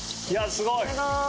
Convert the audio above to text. すごーい！